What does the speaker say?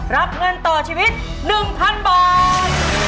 รับเงินต่อชีวิต๑๐๐๐บาท